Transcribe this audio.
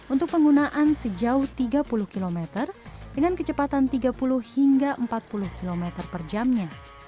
untuk penggunaan sejauh tiga puluh km dengan kecepatan tiga puluh hingga empat puluh km per jamnya